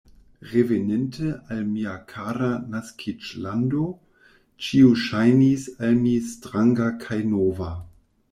Reveninte al mia kara naskiĝlando, ĉio ŝajnis al mi stranga kaj nova.